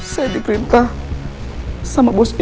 saya diperintah sama bos iqbal